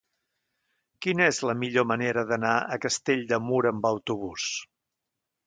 Quina és la millor manera d'anar a Castell de Mur amb autobús?